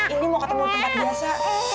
ini mau ketemu di tempat biasa